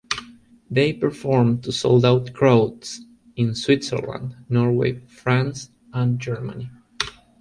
They performed to sold-out crowds in Switzerland, Norway, France and Germany.